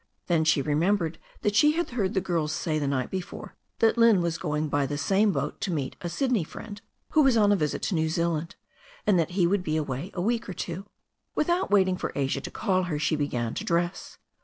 Then she remembered that she had heard the girls say the night before that Lynne was going by the same boat to meet a Sydney friend who was on a visit to New Zealand, and that he would be away a week or two. Without waiting for Asia to call her she began to dress.